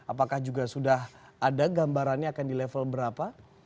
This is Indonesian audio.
apakah juga sudah ada gambarannya akan di level berapa